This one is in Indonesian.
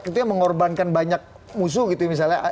sebetulnya mengorbankan banyak musuh gitu misalnya